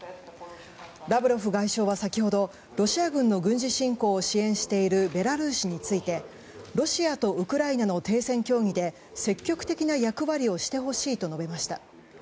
ラブロフ外相は先ほどロシア軍の軍事侵攻を支援しているベラルーシについてロシアとウクライナの停戦協議で積極的な役割をしてほしいと述べました。